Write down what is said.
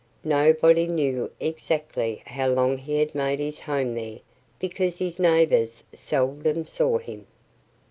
Nobody knew exactly how long he had made his home there because his neighbors seldom saw him.